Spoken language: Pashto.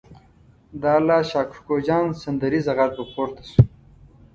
د الله شا کوکو جان سندریزه غږ به پورته شو.